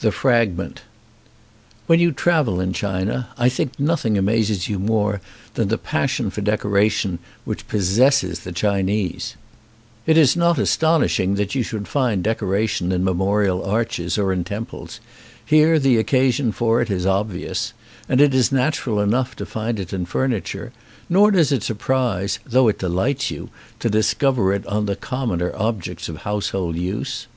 205 LI THE FRAGMENT WHEN you travel in China I think nothing amazes you more than the passion for decoration which pos sesses the Chinese. It is not aston ishing that you should find decoration in memorial arches or in temples; here the occasion for it is obvious; and it is natural enough to find it in furniture; nor does it surprise, though it de lights you, to discover it on the commoner objects of household use.